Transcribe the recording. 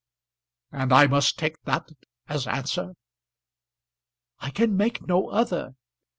"And I must take that as answer?" "I can make no other."